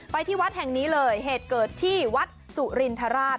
ที่วัดแห่งนี้เลยเหตุเกิดที่วัดสุรินทราช